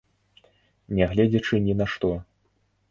Нягледзячы ні на што.